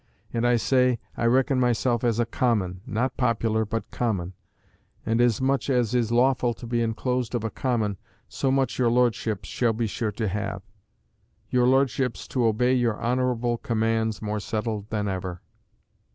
And I say, I reckon myself as a common (not popular but common); and as much as is lawful to be enclosed of a common, so much your Lordship shall be sure to have. Your Lordship's to obey your honourable commands, more settled than ever."